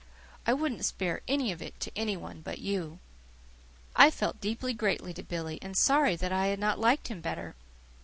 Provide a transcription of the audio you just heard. I wouldn't spare any of it to any one but you." I felt deeply grateful to Billy, and sorry that I had not liked him better.